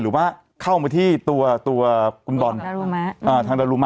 หรือว่าเข้ามาที่ตัวตัวคุณบอลทางดารุมะ